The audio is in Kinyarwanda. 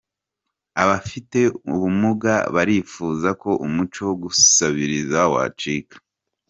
Abafite ubumuga barifuza ko umuco wo gusabiriza wacika